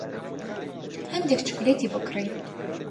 هەندێک چوکلێتی بۆ کڕی.